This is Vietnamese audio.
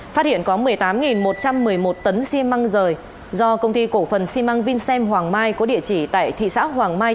phát hiện có một mươi tám một trăm một mươi một tấn xi măng rời do công ty cổ phần xi măng vinsen hoàng mai có địa chỉ tại thị xã hoàng mai